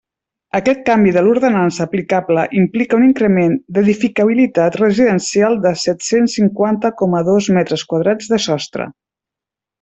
Aquest canvi de l'ordenança aplicable implica un increment d'edificabilitat residencial de set-cents cinquanta coma dos metres quadrats de sostre.